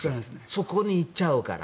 そこにいっちゃうから。